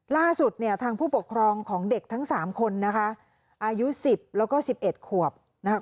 ล่าสุดเนี่ยทางผู้ปกครองของเด็กทั้งสามคนนะคะอายุ๑๐แล้วก็๑๑ขวบนะคะ